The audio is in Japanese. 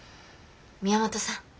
宮本さん